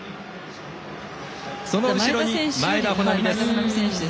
その後ろに前田穂南です。